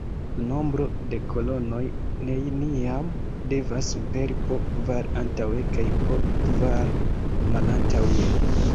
La nombro de kolonoj neniam devas superi po kvar antaŭe kaj po kvar malantaŭe.